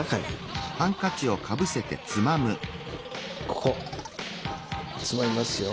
ここつまみますよ。